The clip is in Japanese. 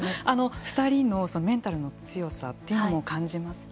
２人のメンタルの強さというのも感じますか。